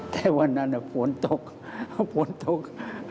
แต่วันนั้นน่ะพลตกพลตก